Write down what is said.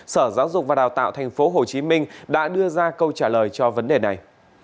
sở giáo dục và đào tạo thành phố hồ chí minh đã đưa ra câu trả lời cho vấn đề này